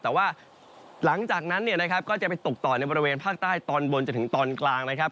แต่ว่าหลังจากนั้นเนี่ยนะครับก็จะไปตกต่อในบริเวณภาคใต้ตอนบนจนถึงตอนกลางนะครับ